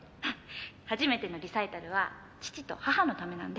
「初めてのリサイタルは父と母のためなんで」